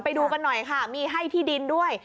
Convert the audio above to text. ไปดูกันหน่อยค่ะมีให้ที่ดินด้วย